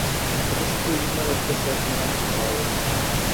অতিশীঘ্রই ইহার একটা শেষ মীমাংসা হওয়া আবশ্যক।